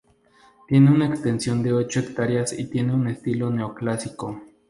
Tiene una extensión de ocho hectáreas y tiene un estilo neoclásico.